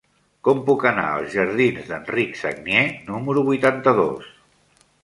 Com puc anar als jardins d'Enric Sagnier número vuitanta-dos?